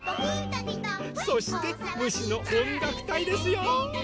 そして「虫のおんがくたい」ですよ！